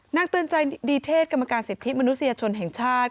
เตือนใจดีเทศกรรมการสิทธิมนุษยชนแห่งชาติ